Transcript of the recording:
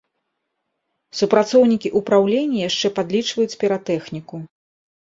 Супрацоўнікі ўпраўлення яшчэ падлічваюць піратэхніку.